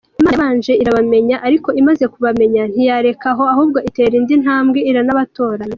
Imana yabanje irabamenya ariko imaze kubamenya ntiyarekera aho ahubwo itera indi ntambwe iranabatoranya.